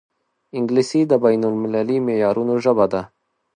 انګلیسي د بین المللي معیارونو ژبه ده